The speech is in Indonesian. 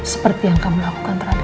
seperti yang kamu lakukan terhadap